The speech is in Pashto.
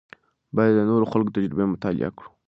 باید د نورو خلکو تجربې مطالعه کړو.